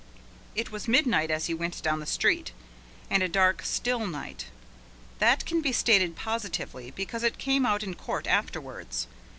It was midnight as he went down the street, and a dark, still night. That can be stated positively because it came out in court afterwards.